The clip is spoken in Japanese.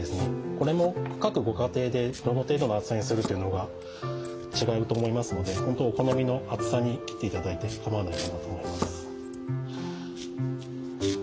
これも各ご家庭でどの程度の厚さにするというのが違うと思いますのでほんとお好みの厚さに切っていただいてかまわないと思います。